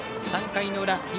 ３回の裏東